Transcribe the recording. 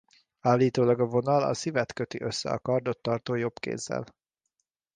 Állítólag a vonal a szívet köti össze a kardot tartó jobb kézzel.